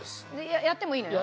やってもいいのよ。